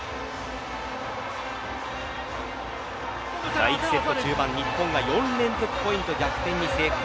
第１セット中盤日本が４連続ポイント逆転に成功。